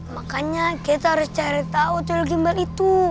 makanya kita harus cari tau tuil gimbal itu